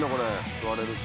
座れるし。